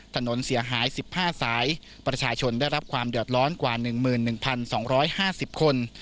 ถนนเสียหาย๑๕สายประชาชนได้รับความเดือดร้อนกว่า๑๑๒๕๐คน